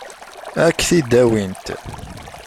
Ad k-t-id-awint?